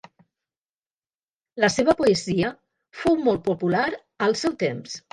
La seva poesia fou molt popular al seu temps.